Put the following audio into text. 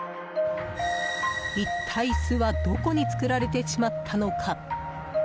一体、巣はどこに作られてしまったのか。